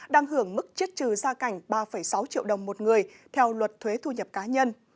đang hưởng mức chiết trừ gia cảnh ba sáu triệu đồng một người theo luật thuế thu nhập cá nhân